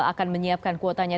akan menyiapkan kuotanya